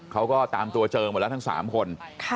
เขาก็ตามตัวเจอหมดแล้วทั้ง๓คน